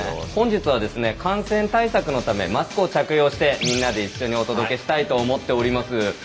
本日は感染対策のためマスクを着用してみんなで一緒にお届けしたいと思っております。